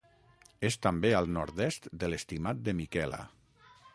És també al nord-est de l'Estimat de Miquela.